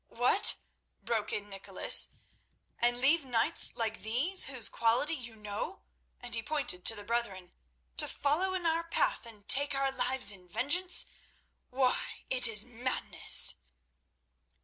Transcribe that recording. "What?" broke in Nicholas, "and leave knights like these, whose quality you know"—and he pointed to the brethren—"to follow in our path, and take our lives in vengeance? Why, it is madness!"